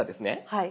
はい。